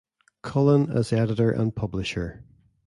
Cullen as editor and publisher.